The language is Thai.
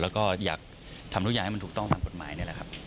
แล้วก็อยากทำทุกอย่างให้มันถูกต้องตามกฎหมายนี่แหละครับ